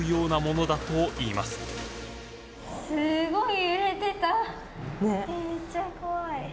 すごい。